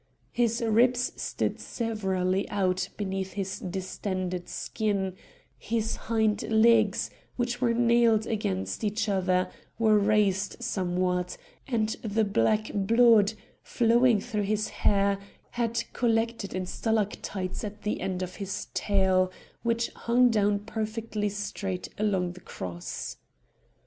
His ribs stood severally out beneath his distended skin; his hind legs, which were nailed against each other, were raised somewhat, and the black blood, flowing through his hair, had collected in stalactites at the end of his tail, which hung down perfectly straight along the cross.